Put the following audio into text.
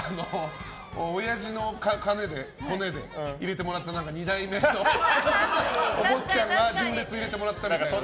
親父のコネで入れてもらった２代目のお坊ちゃんが純烈に入れてもらったみたいなね。